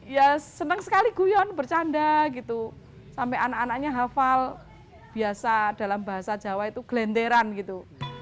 ya senang sekali guyon bercanda gitu sampai anak anaknya hafal biasa dalam bahasa jawa itu gelenderan gitu